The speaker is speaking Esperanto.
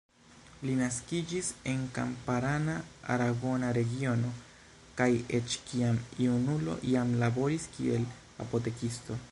Li naskiĝis en kamparana aragona regiono kaj eĉ kiam junulo jam laboris kiel apotekisto.